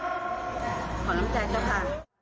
ขอบน้ำใจครับค่ะ